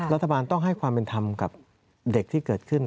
รัฐบาลต้องให้ความเป็นธรรมกับเด็กที่เกิดขึ้น